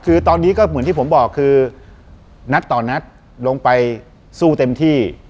คือตอนนี้ก็เหมือนที่ผมบอกคือนัดต่อนัดลงไปสู้เต็มที่